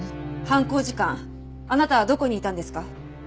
犯行時間あなたはどこにいたんですか？